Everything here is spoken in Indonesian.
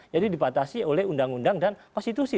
jadi dipatasi oleh undang undang dan konstitusi